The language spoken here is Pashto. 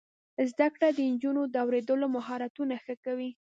زده کړه د نجونو د اوریدلو مهارتونه ښه کوي.